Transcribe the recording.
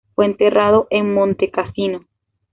Fue enterrado en Montecassino.